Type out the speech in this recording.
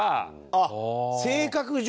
あっ性格上？